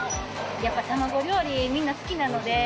やっぱ卵料理、みんな好きなので。